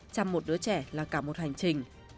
trăm một đứa trẻ là cả một hành trình